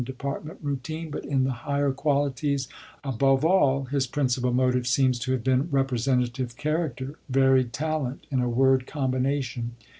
department routine, but in the higher qualities of leadership and influence; above all, his principal motive seems to have been representative charac ter, varied talent — in a word, combination.